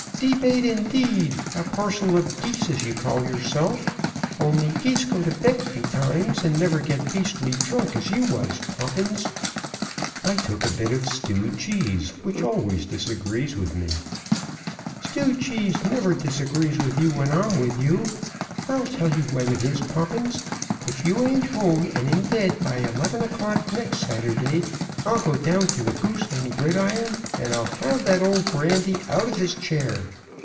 "Debate, indeed! A parcel of geese as you call yourself! Only geese go to bed betimes, and never get beastly drunk as you was, Poppins." "I took a bit of stewed cheese, which always disagrees with me." "Stewed cheese never disagrees with you when I'm with you. I'll tell you what it is, Poppins; if you ain't at home and in bed by eleven o'clock next Saturday, I'll go down to the 'Goose and Gridiron,' and I'll have that old Grandy out of his chair.